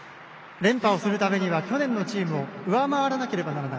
連覇をするためには去年のチームを上回らなければならない。